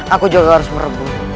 aku juga harus merebut